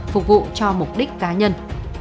phục vụ cho mục đích cá nhân